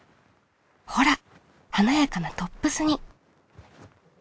ほら華やかなトップスに。